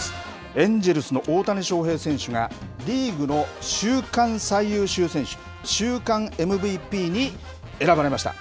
エンジェルスの大谷翔平選手が、リーグの週間最優秀選手・週間ＭＶＰに選ばれました。